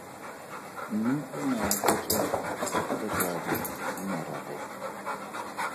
Mme o ne a betswa ke rraagwe mo maragong.